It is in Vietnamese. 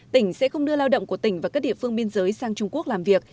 tỉnh sẽ không đưa lao động của tỉnh và các địa phương biên giới sang trung quốc làm việc